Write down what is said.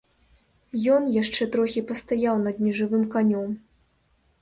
Ён яшчэ трохі пастаяў над нежывым канём.